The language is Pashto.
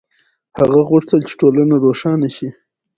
هغه غوښتل چې ټولنه روښانه شي.